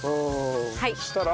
そしたら？